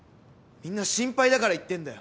みんな心配だから言ってんだよ。